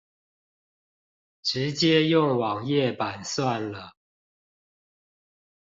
直接用網頁版算了